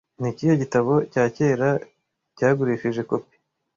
Nikihe gitabo cya kera cyagurishije kopi